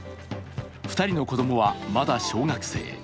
２人の子供はまだ小学生。